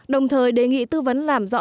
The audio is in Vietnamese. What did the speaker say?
đồng thời đề nghị tư vấn làm rõ